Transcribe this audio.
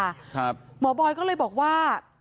หมอบอยก็เลยบอกว่า